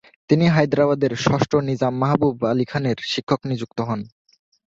তিনি হায়দ্রাবাদের ষষ্ঠ নিজাম মাহবুব আলী খানের শিক্ষক নিযুক্ত হন।